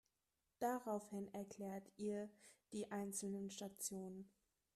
Daraufhin erklärt ihr die einzelnen Stationen.